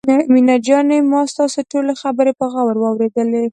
مينه جانې ما ستاسو ټولې خبرې په غور واورېدلې.